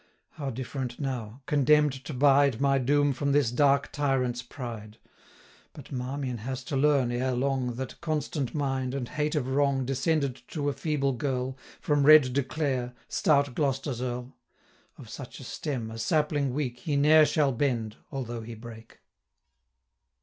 How different now! condemn'd to bide My doom from this dark tyrant's pride. But Marmion has to learn, ere long, 125 That constant mind, and hate of wrong, Descended to a feeble girl, From Red De Clare, stout Gloster's Earl: Of such a stem, a sapling weak, He ne'er shall bend, although he break.